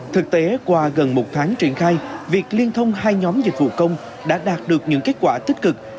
thực tế qua gần một tháng triển khai việc liên thông hai nhóm dịch vụ công đã đạt được những kết quả tích cực